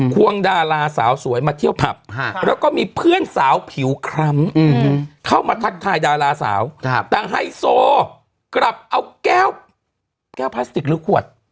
วงดาราสาวสวยมาเที่ยวผับแล้วก็มีเพื่อนสาวผิวคล้ำเข้ามาทักทายดาราสาวแต่ไฮโซกลับเอาแก้วพลาสติกหรือขวด